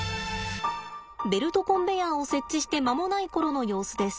ベルトコンベヤーを設置して間もない頃の様子です。